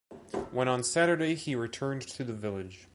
When on Saturday he returned to the village.